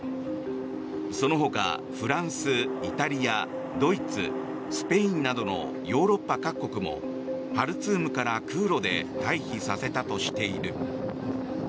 そのほかフランス、イタリアドイツ、スペインなどのヨーロッパ各国もハルツームから空路で退避させたとしている。